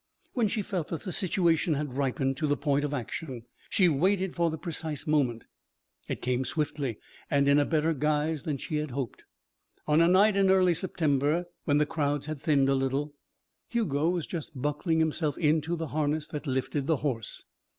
When she felt that the situation had ripened to the point of action, she waited for the precise moment. It came swiftly and in a better guise than she had hoped. On a night in early September, when the crowds had thinned a little, Hugo was just buckling himself into the harness that lifted the horse.